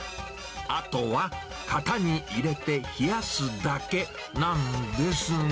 あとは型に入れて冷やすだけなんですが。